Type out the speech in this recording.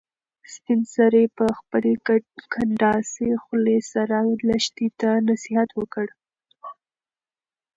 سپین سرې په خپلې کنډاسې خولې سره لښتې ته نصیحت وکړ.